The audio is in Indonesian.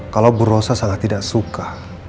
kalau berdosa sangat tidak suka